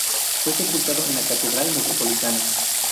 Fue sepultado en la Catedral Metropolitana.